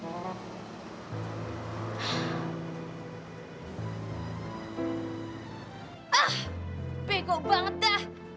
ah bego banget dah